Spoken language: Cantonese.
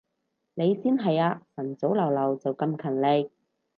你先係啊，晨早流流就咁勤力